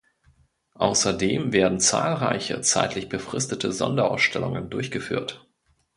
Außerdem werden zahlreiche zeitlich befristete Sonderausstellungen durchgeführt.